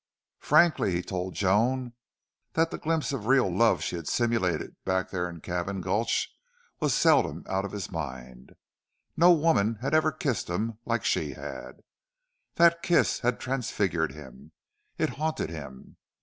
Frankly he told Joan that the glimpse of real love she had simulated back there in Cabin Gulch was seldom out of his mind. No woman had ever kissed him like she had. That kiss had transfigured him. It haunted him.